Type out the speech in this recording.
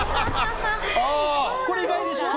これ、意外でしょ？